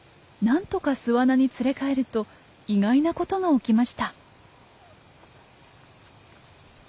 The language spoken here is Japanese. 何とか巣穴に連れ帰ると意外なことが起きました。